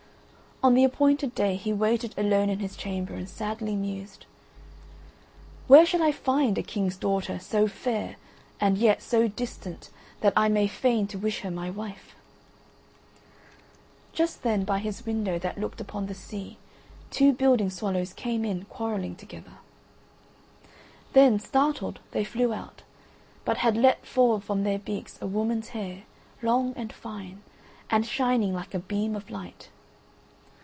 On the appointed day he waited alone in his chamber and sadly mused: "Where shall I find a king's daughter so fair and yet so distant that I may feign to wish her my wife?" Just then by his window that looked upon the sea two building swallows came in quarrelling together. Then, startled, they flew out, but had let fall from their beaks a woman's hair, long and fine, and shining like a beam of light.